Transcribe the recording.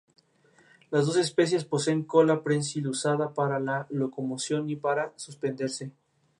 Durante el principado de Nerón, la zona este del Palatino fue extensamente reformada.